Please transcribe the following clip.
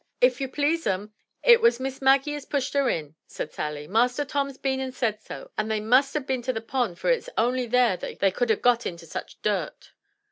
"If you please, 'um, it was Miss Maggie as pushed her in," said 236 THE TREASURE CHEST Sally. "Master Tom's been and said so, and they must ha* been to the pond for it's only there they could ha' got into such dirt."